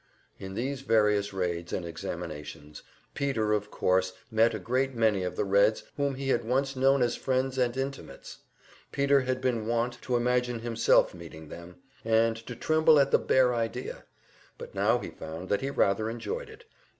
In these various raids and examinations Peter of course met a great many of the Reds whom he had once known as friends and intimates. Peter had been wont to imagine himself meeting them, and to tremble at the bare idea; but now he found that he rather enjoyed it.